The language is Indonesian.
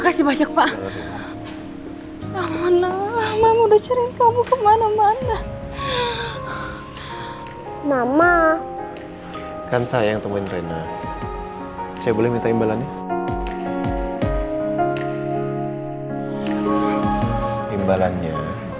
sampai jumpa di video selanjutnya